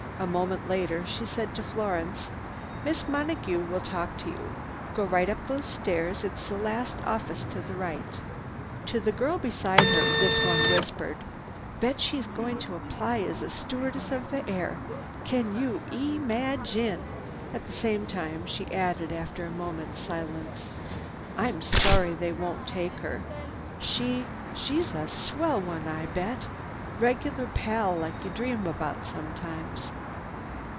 A moment later she said to Florence, "Miss Monague will talk to you. Go right up those stairs. It's the last office to the right." To the girl beside her this one whispered, "Bet she's going to apply as a stewardess of the air! Can you e ee magine! "All the same," she added after a moment's silence, "I'm sorry they won't let her. She—she's a swell one I bet! Regular pal like you dream about sometimes."